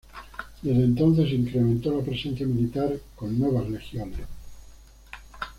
Desde entonces se incrementó la presencia militar con nuevas legiones.